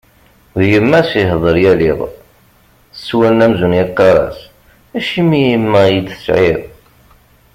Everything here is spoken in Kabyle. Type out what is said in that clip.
D yemma-s ihedder yal iḍ, s wallen amzun yeqqar-as: Acimi a yemma i iyi-d-tesɛiḍ?